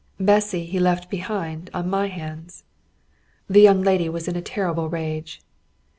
Bessy he left behind on my hands. The young lady was in a terrible rage.